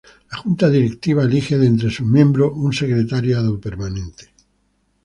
La Junta Directiva elige de entre sus miembros un Secretariado Permanente.